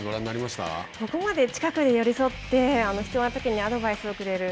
ここまで近くで寄り添って必要なときにアドバイスをくれる。